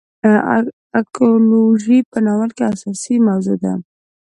اکولوژي په ناول کې اساسي موضوع ده.